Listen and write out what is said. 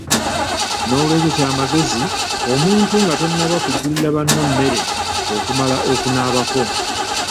N'olwekyo kya magezi omuntu nga tonnaba kujjulira banno mmere okumala okunaabako.